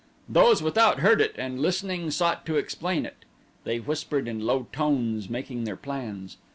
Those without heard it and listening sought to explain it. They whispered in low tones making their plans.